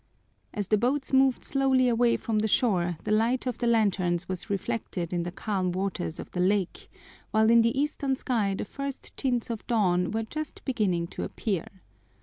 As the boats moved slowly away from the shore, the light of the lanterns was reflected in the calm waters of the lake, while in the eastern sky the first tints of dawn were just beginning to appear.